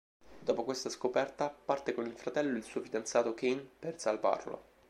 Dopo questa scoperta parte con il fratello e il suo fidanzato Qin per salvarlo.